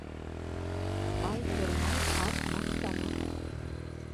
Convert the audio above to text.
Ай тормай ат маҡтама